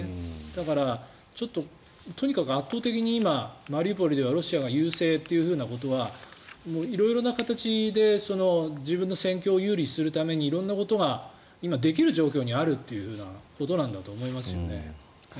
だから、ちょっととにかく圧倒的に今マリウポリではロシアが優勢ということは色々な形で自分の戦況を有利にするために色んなことが今、できる状況にあるということなんだと思いますね。